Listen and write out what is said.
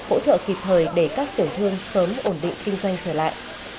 hỗ trợ kịp thời để các tiểu thương sớm ổn định kinh doanh trở lại